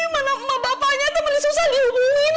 mana bapaknya teman yang susah dihubungin